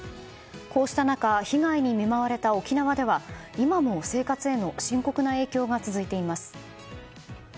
こうした中被害に見舞われた沖縄では今も生活への深刻な影響が続いています。